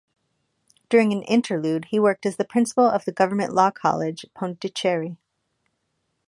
During an interlude, he worked as the principal of the Government Law College, Pondicherry.